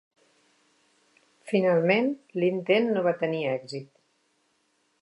Finalment, l'intent no va tenir èxit.